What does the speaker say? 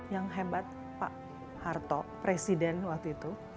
yang hebat pak harto presiden waktu itu